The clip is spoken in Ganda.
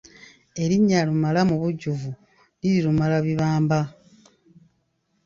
Erinnya Lumala mu bujjuvu liri Lumalabibamba.